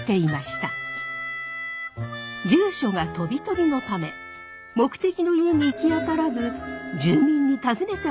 住所がとびとびのため目的の家に行きあたらず住民に尋ねて歩く